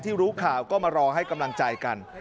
รู้ข่าวก็มารอให้กำลังใจกัน